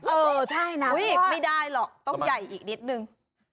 เออใช่นะเพราะว่าอุ๊ยไม่ได้หรอกต้องใหญ่อีกนิดหนึ่ง